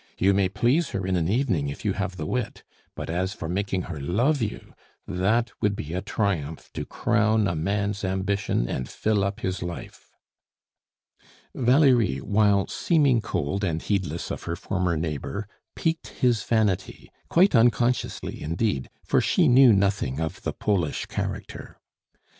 "You may please her in an evening if you have the wit; but as for making her love you that would be a triumph to crown a man's ambition and fill up his life." Valerie, while seeming cold and heedless of her former neighbor, piqued his vanity, quite unconsciously indeed, for she knew nothing of the Polish character.